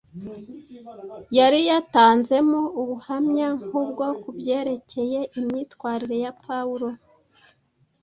yari yatanzemo ubuhamya nk’ubwo ku byerekeye imyitwarire ya Pawulo.